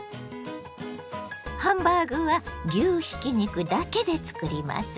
ハンバーグは牛ひき肉だけでつくります。